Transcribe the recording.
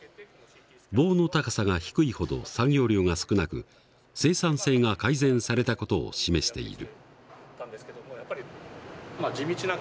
棒の高さが低いほど作業量が少なく生産性が改善された事を示している。